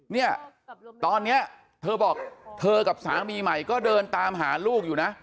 เนี่ยตอนนี้เธอบอกเธอกับสามีใหม่ก็เดินตามหาลูกอยู่นะ